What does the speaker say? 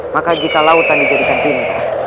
maka jika lautan dijadikan tinggi